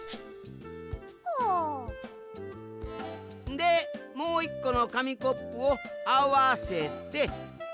でもう１このかみコップをあわせて。